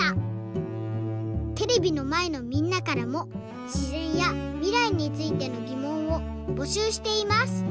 テレビのまえのみんなからもしぜんやみらいについてのぎもんをぼしゅうしています！